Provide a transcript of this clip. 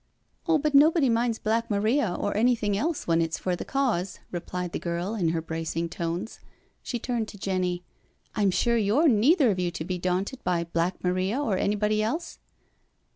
*'" Oh, but nobody minds Black Maria or anything else when it's for the Cause," replied the girl in her bracing tones. She turned to Jenny. " I'm sure you're neither of you to be daunted by Black Maria or anybody else?"